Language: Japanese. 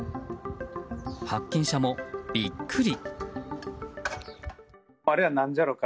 発見者もビックリ。